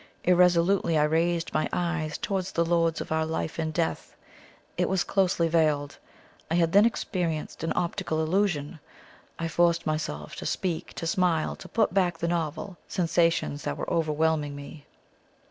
Irresolutely I raised my eyes towards the "Lords of our Life and Death." It was closely veiled. I had then experienced an optical illusion. I forced myself to speak to smile to put back the novel sensations that were overwhelming me.